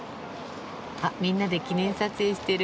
あっみんなで記念撮影してる。